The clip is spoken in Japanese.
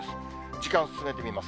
時間を進めてみます。